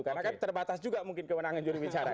karena kan terbatas juga mungkin kewenangan juri bicara kan